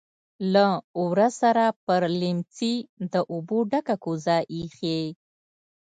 لهٔ ورهٔ سره پر لیمڅي د اوبو ډکه کوزه ایښې.